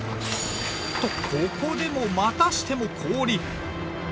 とここでもまたしても氷！